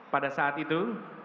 pada saat itu